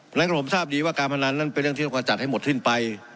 เพราะฉะนั้นผมทราบดีว่าการพนันนั้นเป็นเรื่องที่เราก็จัดให้หมดสิ้นไป